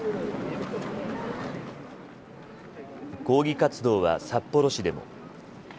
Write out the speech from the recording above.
抗議活動は札幌市でも。